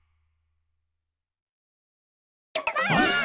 ばあっ！